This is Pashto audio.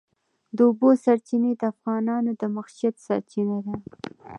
د اوبو سرچینې د افغانانو د معیشت سرچینه ده.